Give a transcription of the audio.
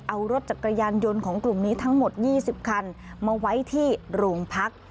เอารถจักรยานยนต์ของกลุ่มนี้ทั้งหมด๒๐คันมาไว้ที่โรงพัก